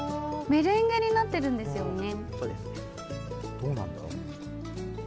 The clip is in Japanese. メレンゲになってるんですね。